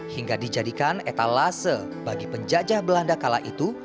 hingga dijadikan etalase bagi penjajah belanda kala itu